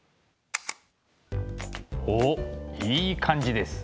おっいい感じです。